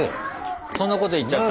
そんなこと言っちゃった。